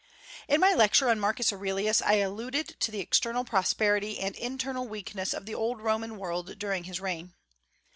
In my lecture on Marcus Aurelius I alluded to the external prosperity and internal weakness of the old Roman world during his reign.